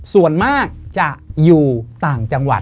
ส่วนมากจะอยู่ต่างจังหวัด